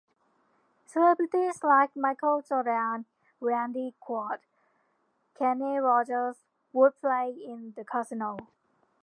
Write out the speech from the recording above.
Celebrities like Michael Jordan, Randy Quaid, Kenny Rogers would play in the casino.